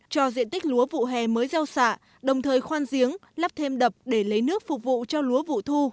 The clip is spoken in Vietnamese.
cho diện tích lúa vụ hè mới gieo xạ đồng thời khoan giếng lắp thêm đập để lấy nước phục vụ cho lúa vụ thu